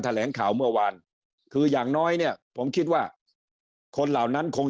แถลงข่าวเมื่อวานคืออย่างน้อยเนี่ยผมคิดว่าคนเหล่านั้นคง